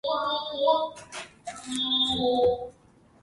They shift the threshold towards zero or hyperpolarize the membrane potential.